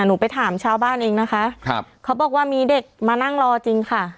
หนูไปถามชาวบ้านเองนะคะครับเขาบอกว่ามีเด็กมานั่งรอจริงค่ะ